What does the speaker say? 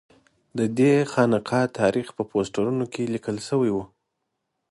ددې خانقا تاریخ په پوسټرونو کې لیکل شوی و.